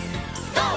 ＧＯ！